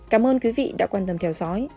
cảm ơn quý vị đã quan tâm theo dõi